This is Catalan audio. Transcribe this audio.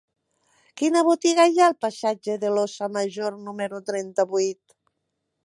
Quina botiga hi ha al passatge de l'Óssa Major número trenta-vuit?